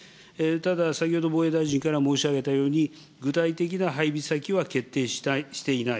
ただ先ほど防衛大臣から申し上げたように、具体的な配備先は決定していない。